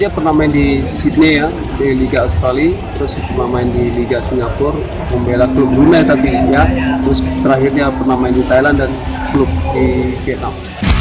pernah main di sydney di liga australia terus pernah main di liga singapura membela klub brunei terus terakhir pernah main di thailand dan klub di vietnam